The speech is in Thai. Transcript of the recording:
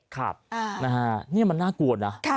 ครับนี่มันน่ากลัวนะ